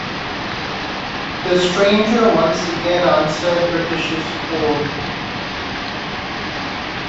The Stranger once again answered British's call.